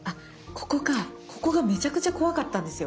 ここがめちゃくちゃ怖かったんですよ。